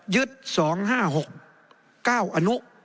ยึด๒๕๖๙อนุ